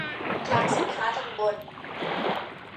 คลังสินค้าทัณฑ์บน